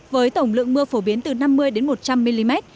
với tổng lượng mưa phổ biến từ năm mươi một trăm linh mm